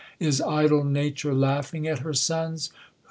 Is idle nature laughing at her sons